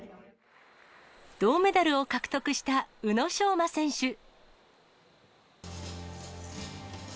銅メダルを獲得した宇野昌磨選手。